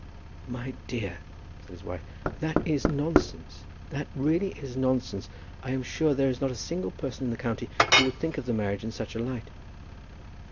"My dear," said his wife, "that is nonsense. That really is nonsense. I feel sure there is not a single person in the county who would think of the marriage in such a light."